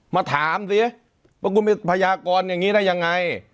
มาถามสิว่าคุณมีพยากรอย่างนี้ได้ยังไง